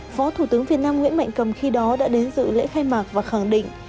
phó thủ tướng việt nam nguyễn mạnh cầm khi đó đã đến dự lễ khai mạc và khẳng định